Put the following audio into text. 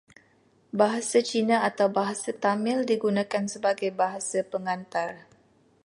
Bahasa Cina atau Bahasa Tamil digunakan sebagai bahasa pengantar.